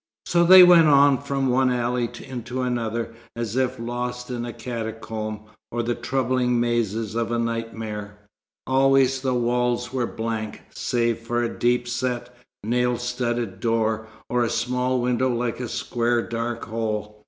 So they went on from one alley into another, as if lost in a catacomb, or the troubling mazes of a nightmare. Always the walls were blank, save for a deep set, nail studded door, or a small window like a square dark hole.